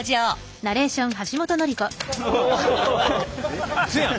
えっうそやん。